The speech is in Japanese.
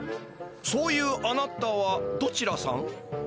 そういうあなたはどちらさん？